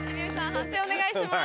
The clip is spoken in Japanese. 判定お願いします。